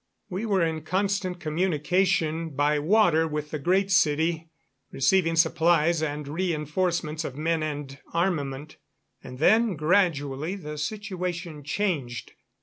We were in constant communication by water with the Great City, receiving supplies and reënforcements of men and armament. And then gradually the situation changed.